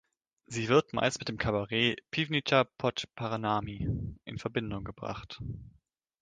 Sie wird meist mit dem Kabarett „Piwnica pod Baranami“ in Verbindung gebracht.